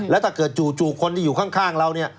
แล้วถ้าเกิดจู่คนที่อยู่ข้างเราเนี่ย